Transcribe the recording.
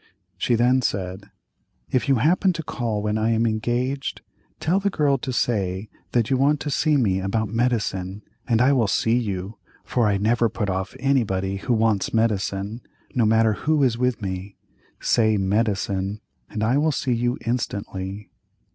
She then said: "If you happen to call when I am engaged, tell the girl to say that you want to see me about medicine, and I will see you, for I never put off anybody who wants medicine, no matter who is with me, say medicine, and I will see you instantly."